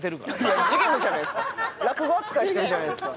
落語扱いしてるじゃないですか。